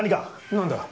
何だ？